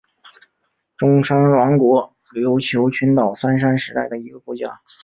中山王国琉球群岛三山时代的一个国家。